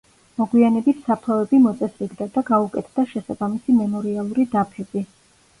მოგვიანებით საფლავები მოწესრიგდა და გაუკეთდა შესაბამისი მემორიალური დაფები.